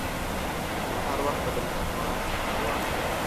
نو هر وخت به د مسلمان په تاوان وي.